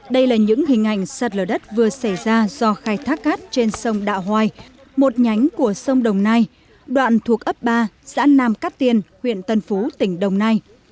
đây là những hình ảnh sạt lở đất vừa xảy ra do khai thác cát trên sông đạo hoài một nhánh của sông đồng nai đoạn thuộc ấp ba giãn nam cát tiên huyện tân phú tỉnh đồng nai